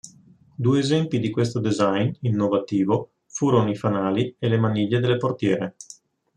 Due esempi di questo design innovativo furono i fanali e le maniglie delle portiere.